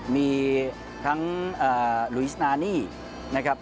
มีทั้งลุยสนานี่นะครับ